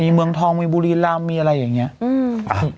มีเมืองทองมีบูรีลัมมีอะไรอย่างเงี้ยอืม